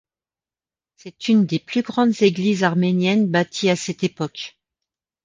C'est une des plus grandes églises arméniennes bâties à cette époque.